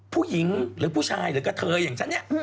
ผู้หญิงหรือผู้ชายหรือกระเทยอย่างฉันเนี่ย